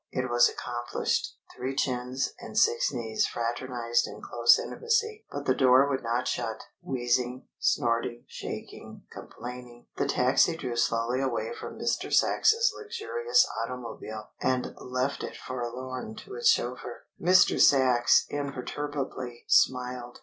It was accomplished; three chins and six knees fraternized in close intimacy; but the door would not shut. Wheezing, snorting, shaking, complaining, the taxi drew slowly away from Mr. Sachs's luxurious automobile and left it forlorn to its chauffeur. Mr. Sachs imperturbably smiled.